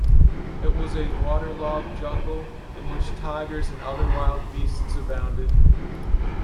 It was a water-logged jungle, in which tigers and other wild beasts abounded.